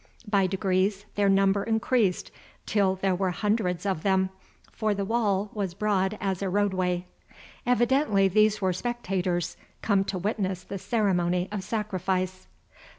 By degrees their number increased till there were hundreds of them, for the wall was broad as a roadway. Evidently these were spectators, come to witness the ceremony of sacrifice.